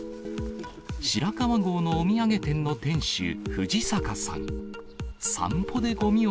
白川郷のお土産店の店主、藤坂さん。